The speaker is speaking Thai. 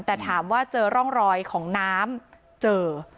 แต่ถามว่าเจอร่องรอยของน้ำเจอ